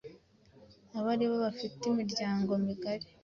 Aba bari bafite imiryango migari